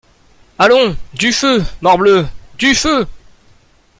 Allons, du feu ! morbleu ! du feu !